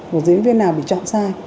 một diễn viên nào bị chọn sai